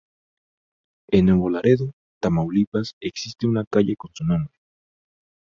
En Nuevo Laredo, Tamaulipas existe una calle con su nombre.